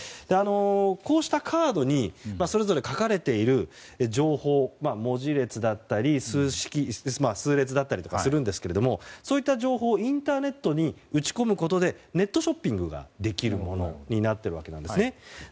こうしたカードにそれぞれ書かれている情報文字列だったり数列だったりするんですけれどもそういった情報をインターネットに打ち込むことでネットショッピングができるものになっています。